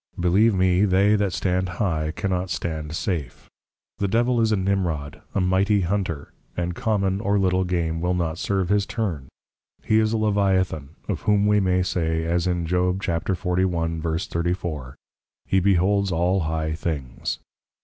Believe me they that stand High, cannot stand safe. The Devil is a Nimrod, a mighty Hunter; and common or little Game, will not serve his Turn: he is a Leviathan, of whom we may say, as in Job. 41.34. _He beholds all high things.